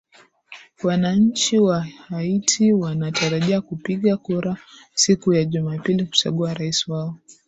wananchi wa haiti wanatarajia kupiga kura siku ya jumapili kuchagua rais wao